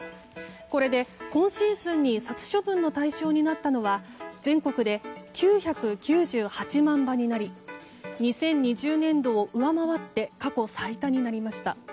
これで今シーズンに殺処分の対象になったのは全国で９９８万羽になり２０２０年度を上回って過去最多になりました。